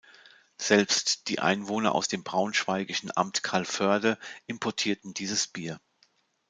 Selbst die Einwohner aus dem braunschweigischen Amt Calvörde importierten dieses Bier.